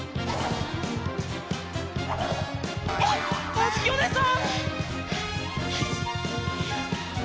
あづきおねえさん！